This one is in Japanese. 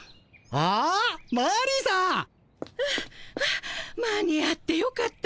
はあはあ間に合ってよかったわ。